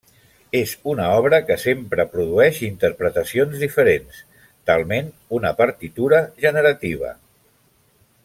És una obra que sempre produeix interpretacions diferents; talment una partitura generativa.